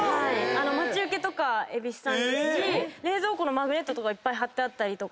待ち受け蛭子さんですし冷蔵庫のマグネットとかいっぱい張ってあったりとか。